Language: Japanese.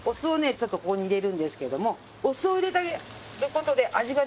ちょっとここに入れるんですけれどもお酢を入れてあげる事で味がね